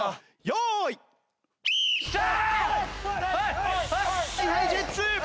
用意。ＨｉＨｉＪｅｔｓ！